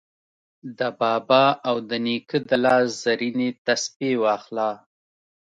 د بابا او د نیکه د لاس زرینې تسپې واخله